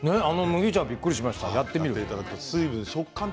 麦茶びっくりしました。